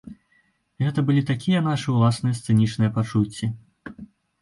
Гэта былі такія нашы ўласныя сцэнічныя пачуцці.